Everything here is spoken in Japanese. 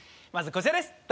まずこちらです